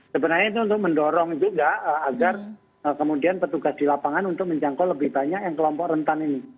sebenarnya itu untuk mendorong juga agar kemudian petugas di lapangan untuk menjangkau lebih banyak yang kelompok rentan ini